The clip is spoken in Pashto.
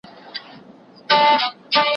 زه زدکړه نه کوم؟!